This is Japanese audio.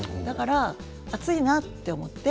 だから暑いなと思って。